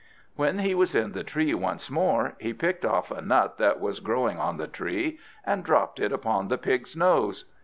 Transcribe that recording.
When he was in the tree once more, he picked off a nut that was growing on the tree, and dropped it upon the pig's nose.